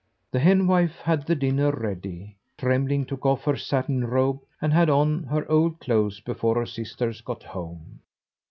The henwife had the dinner ready. Trembling took off her satin robe, and had on her old clothes before her sisters got home.